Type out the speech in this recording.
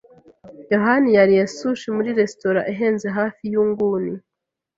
yohani yariye sushi muri resitora ihenze hafi yu nguni.